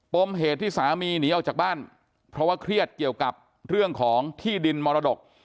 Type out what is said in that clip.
มเหตุที่สามีหนีออกจากบ้านเพราะว่าเครียดเกี่ยวกับเรื่องของที่ดินมรดก